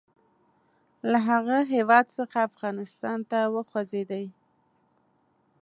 له هغه هیواد څخه افغانستان ته وخوځېدی.